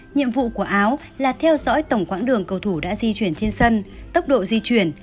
nhiệm vụ của áo là theo dõi tổng quãng đường cầu thủ đã di chuyển trên sân tốc độ di chuyển